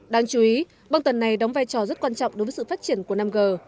đáng chú ý băng tần này đóng vai trò rất quan trọng đối với sự phát triển của năm g